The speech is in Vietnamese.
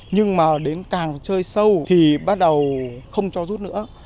nhưng mà đến càng chơi sâu thì bắt đầu không cho rút nữa